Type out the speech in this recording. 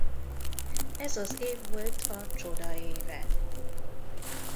Ez az év volt a csoda éve.